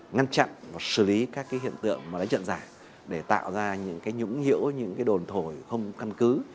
ngăn chặn và xử lý các hiện tượng mà đánh trận giả để tạo ra những cái nhũng nhiễu những cái đồn thổi không căn cứ